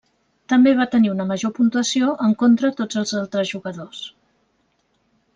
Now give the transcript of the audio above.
També va tenir una major puntuació en contra tots els altres jugadors.